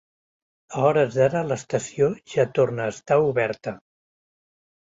A hores d’ara l’estació ja tornar a estar oberta.